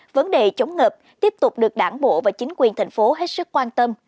vấn đề chống ngập tiếp tục được đảng bộ và chính quyền thành phố hết sức quan tâm